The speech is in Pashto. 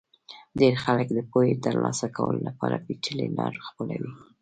ډېر خلک د پوهې ترلاسه کولو لپاره پېچلې لار خپلوي.